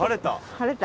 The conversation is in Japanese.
晴れた！